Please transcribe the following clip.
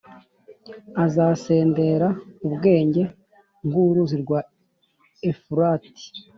azasendera ubwenge nk’uruzi rwa Efurati,